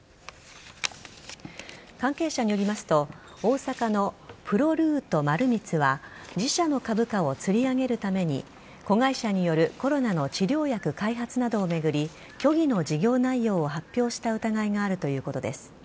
関係者によりますと大阪のプロルート丸光は自社の株価をつり上げるために子会社によるコロナの治療薬開発などを巡り虚偽の事業内容を発表した疑いがあるということです。